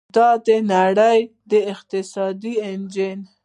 د نړۍ د اقتصاد انجن.